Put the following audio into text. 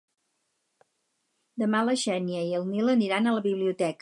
Demà na Xènia i en Nil aniran a la biblioteca.